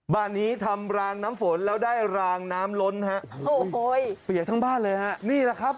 บ้านนี้ทำรางน้ำฝนแล้วได้รางน้ำล้นฮะโอ้โหเปียกทั้งบ้านเลยฮะนี่แหละครับ